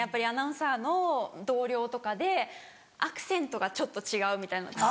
アナウンサーの同僚とかでアクセントがちょっと違うみたいな。